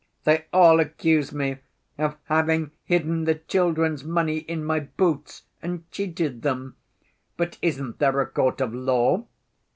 "They all accuse me of having hidden the children's money in my boots, and cheated them, but isn't there a court of law?